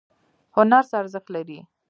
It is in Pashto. هنر څه ارزښت لري؟